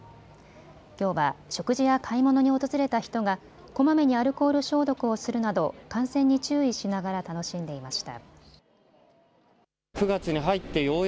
きょうは食事や買い物に訪れた人がこまめにアルコール消毒をするなど感染に注意しながら楽しんでいました。